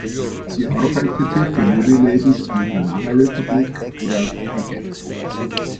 Sie arbeitete für Modelabels wie "Banana Republic" oder "The Gap".